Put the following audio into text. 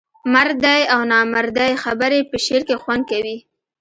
مردۍ او نامردۍ خبري په شعر کې خوند کوي.